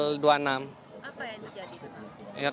apa yang terjadi